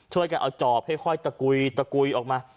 ช่วยกันเอาจอบค่อยตะกุยตะกุยออกมา